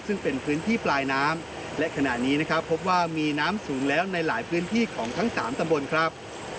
ซึ่งเป็นพื้นที่ปลายน้ำและขณะนี้นะครับพบว่ามีน้ำสูงแล้วในหลายพื้นที่ของทั้งสามตะบนครับ